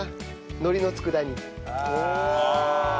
海苔の佃煮。